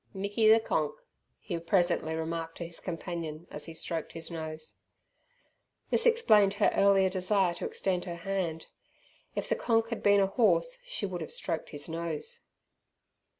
"Mickey ther Konk," he presently remarked to his companion, as he stroked his nose. This explained her earlier desire to extend her hand. If the "Konk" had been a horse she would have stroked his nose.